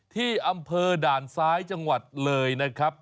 ที่อำเภอด่านซ้ายจังหวัดเลยนะครับ